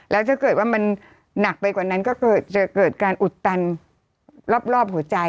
แล้วถ้าเกิดว่ามันหนักไปกว่านั้นก็จะเกิดการอุดตันรอบหัวใจ